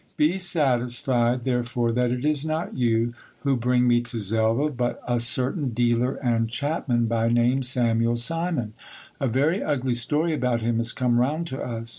Be satisfied therefore that it is not you who bring me to Xelva, but a certain dealer and chap man, by name Samuel Simon. A very ugly story about him has come round to us.